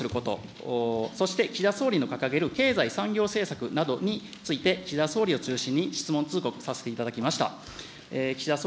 今回、もちろん、ＮＨＫに関すること、そして岸田総理の掲げる経済産業政策などについて、岸田総理を中心に質問通告させていただきました。